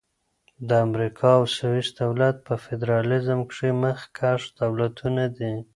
د امریکا او سویس دولت په فدرالیزم کښي مخکښ دولتونه دي.